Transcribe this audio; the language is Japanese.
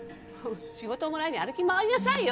仕事もらいに歩き回りなさいよ！